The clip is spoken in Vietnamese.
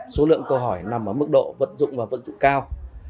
hai mươi số lượng câu hỏi nằm ở mức độ vận dụng và vận dụng cao